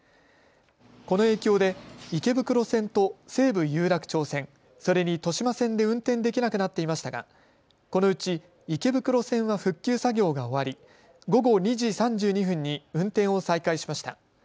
この影響で池袋線と西武有楽町線それに豊島線で運転できなくなっていましたがこのうち池袋線は復旧作業が終わり午後２時３２分に運転を再開しました。